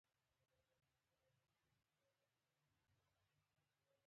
زه د مستندو پروګرامونو نندارې خوښوم.